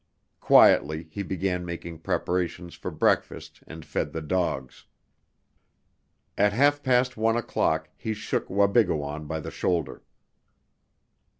Quietly he began making preparations for breakfast, and fed the dogs. At half past one o'clock he shook Wabigoon by the shoulder.